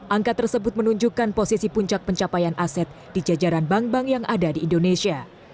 angka tersebut menunjukkan posisi puncak pencapaian aset di jajaran bank bank yang ada di indonesia